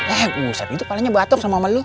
eh buset itu palanya batuk sama omel lo